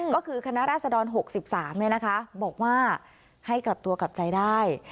ก็คือคณะราษฎร๖๓บอกว่าให้กลับตัวกลับใจได้